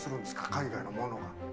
海外のものが。